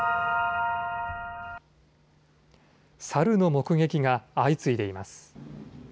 サルの目撃が相次いでいます。